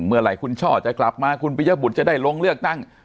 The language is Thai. เมื่อไหร่คุณช่อจะกลับมาคุณปริยบุตรจะได้ลงเลือกตั้ง